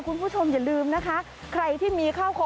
คุณผู้ชมอย่าลืมนะคะใครที่มีข้าวของ